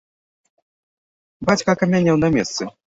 Бацька акамянеў на месцы.